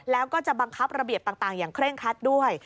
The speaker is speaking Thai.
แล้วก็จะบังคับระเบียบต่างอย่างเคร่งครัดด้วย